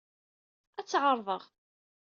Ad tt-ɛerḍeɣ.